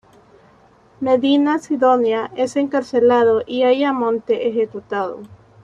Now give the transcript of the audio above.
Medina-Sidonia es encarcelado y Ayamonte ejecutado.